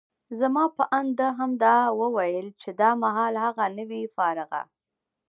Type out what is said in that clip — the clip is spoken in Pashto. زما په اند، ده دا هم وویل چي دا مهال هغه، نه وي فارغه.